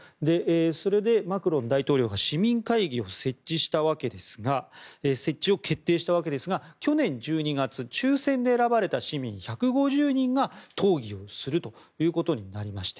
それでマクロン大統領が市民会議の設置を決定したわけですが去年１２月抽選で選ばれた市民１５０人が討議をするということになりました。